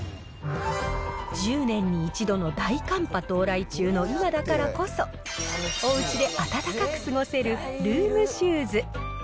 １０年に１度の大寒波到来中の今だからこそ、おうちで暖かく過ごせるルームシューズ。